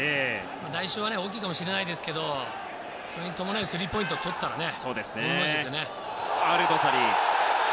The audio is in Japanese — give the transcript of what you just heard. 代償は大きいかもしれないですけどそれに伴う３ポイントを取ったらね。